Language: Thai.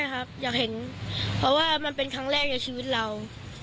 ครับอยากเห็นเพราะว่ามันเป็นครั้งแรกในชีวิตเรา